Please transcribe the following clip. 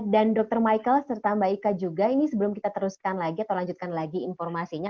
dan dr michael serta mbak ika juga ini sebelum kita teruskan lagi atau lanjutkan lagi informasinya